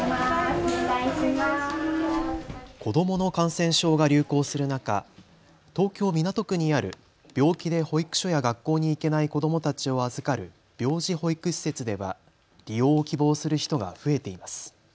子どもの感染症が流行する中、東京港区にある病気で保育所や学校に行けない子どもたちを預かる病児保育施設では利用を希望する人が増えています。